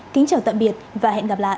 kính chào tạm biệt và hẹn gặp lại